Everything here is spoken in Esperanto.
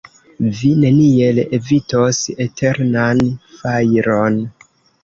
Vi neniel evitos eternan fajron!